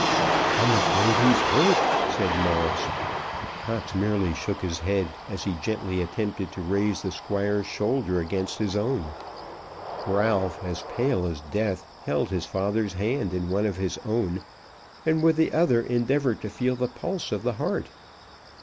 "I'm afraid he's hurt," said Morris. Cox merely shook his head, as he gently attempted to raise the Squire's shoulder against his own. Ralph, as pale as death, held his father's hand in one of his own, and with the other endeavoured to feel the pulse of the heart.